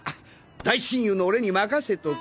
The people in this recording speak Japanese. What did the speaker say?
大親友の俺に任せとけ。